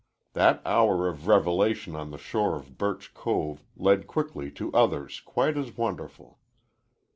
That hour of revelation on the shore of Birch Cove led quickly to others quite as wonderful.